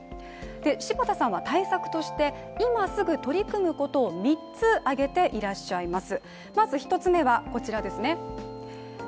柴田さんは対策として、今すぐ取り組むことを３つ挙げていらっしゃいます。